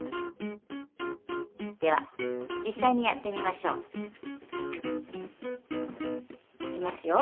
では実際にやってみましょう。いきますよ。